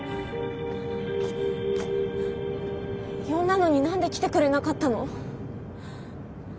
呼んだのに何で来てくれなかったの？